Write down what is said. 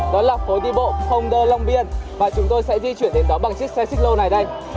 đó là phố đi bộ không dơ long biên và chúng tôi sẽ di chuyển đến đó bằng chiếc xe xích lô này đây